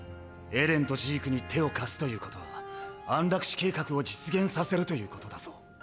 エレンとジークに手を貸すということは安楽死計画を実現させるということだぞ？